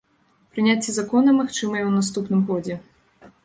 Прыняцце закона магчымае ў наступным годзе.